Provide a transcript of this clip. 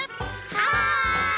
はい！